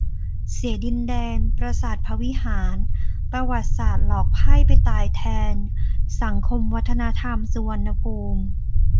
เสียดินแดน "ปราสาทพระวิหาร" ประวัติศาสตร์หลอกไพร่ไปตายแทน สังคมวัฒนธรรม สุวรรณภูมิ